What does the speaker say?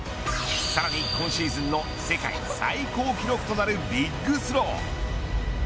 さらに今シーズンの世界最高記録となるビッグスロー。